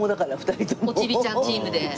おチビちゃんチームで。